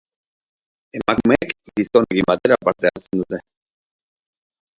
Emakumeek gizonekin batera hartzen dute parte.